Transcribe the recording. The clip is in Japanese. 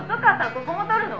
ここも撮るの？」